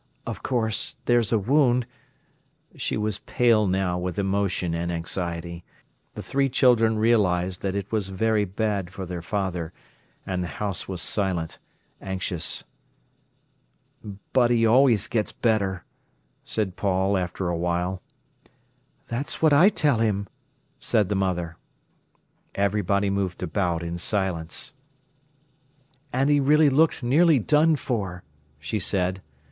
Of course there's a wound—" She was pale now with emotion and anxiety. The three children realised that it was very bad for their father, and the house was silent, anxious. "But he always gets better," said Paul after a while. "That's what I tell him," said the mother. Everybody moved about in silence. "And he really looked nearly done for," she said.